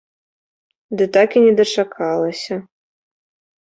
Ды так і не дачакалася.